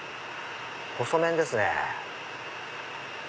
細麺ですね。